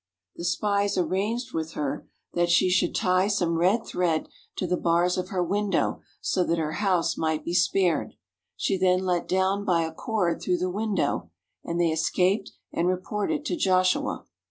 The spies arranged with her that she should tie 121 THE HOLY LAND AND SYRIA some red thread to the bars of her window so that her house might be spared. She then let them down by a cord through the window, and they escaped and reported to Joshua.